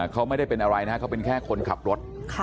เขาไม่ได้เป็นอะไรนะครับเขาเป็นแค่คนขับรถ